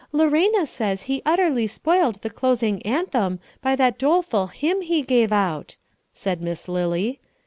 "Lorena says he utterly spoiled the closing anthem by that doleful hymn he gave out," said Miss Lily.